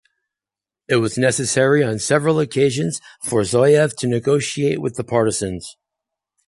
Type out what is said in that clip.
It was necessary on several occasions for Zuyev to negotiate with the partisans.